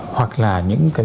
hoặc là những cái